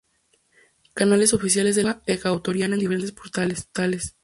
Canales oficiales de la Cruz Roja Ecuatoriana en diferentes portales